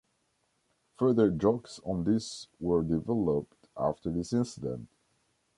Further jokes on this were developed after this incident.